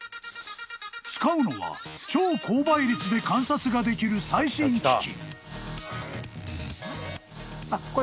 ［使うのは超高倍率で観察ができる最新機器］